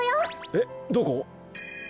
えっどこ？